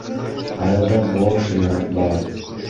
Айылда бош имарат бар.